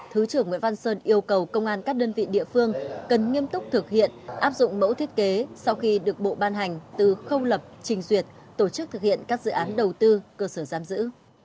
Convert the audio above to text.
thứ trưởng nguyễn văn sơn yêu cầu công an các đơn vị địa phương cần nghiêm túc thực hiện áp dụng mẫu thiết kế sau khi được bộ ban hành từ khâu lập trình duyệt tổ chức thực hiện các dự án đầu tư cơ sở giam giữ